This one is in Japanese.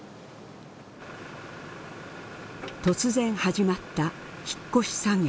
突然始まった引っ越し作業。